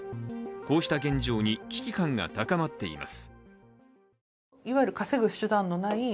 こうした現状に、危機感が高まっています。